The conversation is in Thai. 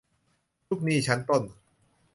ลูกหนี้ชั้นต้น